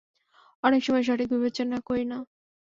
অনেক সময় সঠিক বিবেচনা করি না।